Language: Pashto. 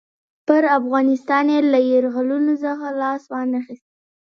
پر افغانستان یې له یرغلونو څخه لاس وانه خیست.